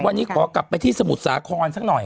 วันนี้ขอกลับไปที่สมุทรสาครสักหน่อย